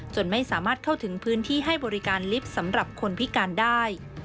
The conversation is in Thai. ไม่สามารถเข้าถึงพื้นที่ให้บริการลิฟต์สำหรับคนพิการได้